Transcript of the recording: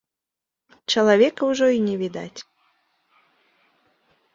Чалавека ўжо і не відаць.